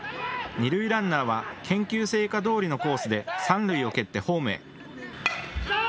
二塁ランナーは研究成果どおりのコースで三塁を蹴ってホームへ。